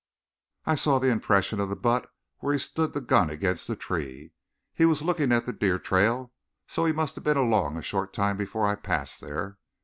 "I saw the impression of the butt where he stood the gun against the tree. He was looking at the deer trail, so he must have been along a short time before I passed there."